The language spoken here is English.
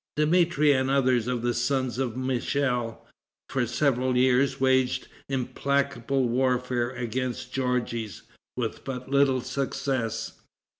Dmitri, and others of the sons of Michel, for several years waged implacable warfare against Georges, with but little success.